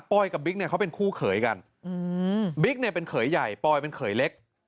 กับบิ๊กเนี่ยเขาเป็นคู่เขยกันบิ๊กเนี่ยเป็นเขยใหญ่ปอยเป็นเขยเล็ก